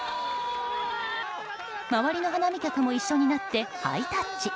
周りの花見客も一緒になってハイタッチ。